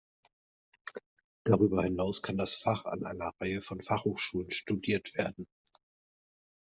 Darüber hinaus kann das Fach an einer Reihe von Fachhochschulen studiert werden.